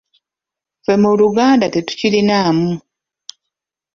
Ffe mu Luganda tetukirinaamu.